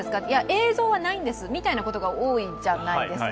映像はないんですみたいなことが多いじゃないですか、